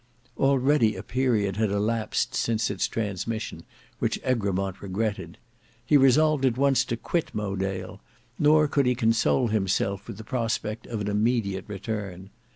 Already a period had elapsed since its transmission, which Egremont regretted. He resolved at once to quit Mowedale, nor could he console himself with the prospect of an immediate return.